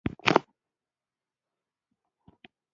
ښتې د افغانستان د فرهنګي فستیوالونو برخه ده.